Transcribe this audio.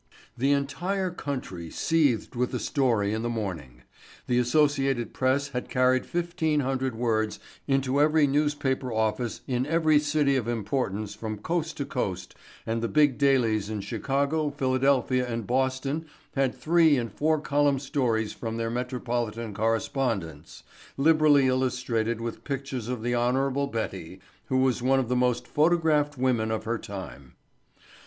The entire country seethed with the story in the morning. The Associated Press had carried fifteen hundred words into every newspaper office in every city of importance from coast to coast and the big dailies in Chicago, Philadelphia and Boston had three and four column stories from their metropolitan correspondents, liberally illustrated with pictures of the Hon. Betty, who was one of the most photographed women of her time.